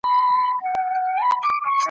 د شنبې په ورځ یوې سختي زلزلې ولړزاوه ,